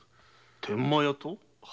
天満屋と？